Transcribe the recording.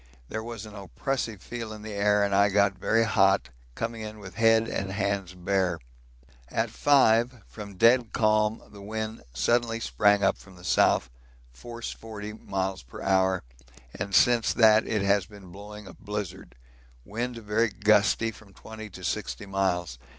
There was an oppressive feel in the air and I got very hot, coming in with head and hands bare. At 5, from dead calm the wind suddenly sprang up from the south, force 40 miles per hour, and since that it has been blowing a blizzard; wind very gusty, from 20 to 60 miles.